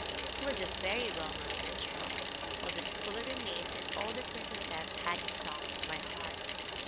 He was a very well known minstrel. All the scullery maids and all the princesses had his songs by heart.